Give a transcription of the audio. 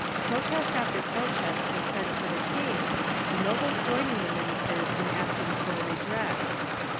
Protest after j»rote8t was sent to tin; king, the nobles join ing the ministers in asking for redress.